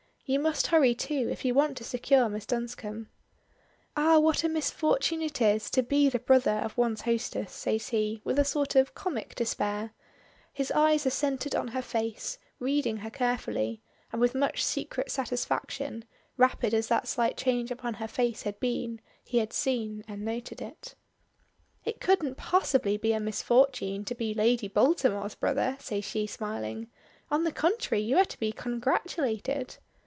"You must hurry too, if you want to secure Miss Dunscombe." "Ah; what a misfortune it is to be the brother of one's hostess," says he, with a sort of comic despair. His eyes are centred on her face, reading her carefully, and with much secret satisfaction; rapid as that slight change upon her face had been, he had seen and noted it. "It couldn't possibly be a misfortune to be Lady Baltimore's brother," says she smiling. "On the contrary, you are to be congratulated."